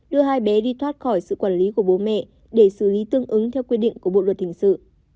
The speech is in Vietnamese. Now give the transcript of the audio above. đưa hai bé đi thoát khỏi sự quản lý của bố mẹ để xử lý tương ứng theo quy định của bộ luật hình sự